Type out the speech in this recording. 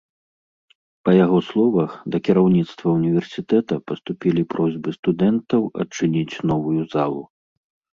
Па яго словах, да кіраўніцтва ўніверсітэта паступілі просьбы студэнтаў адчыніць новую залу.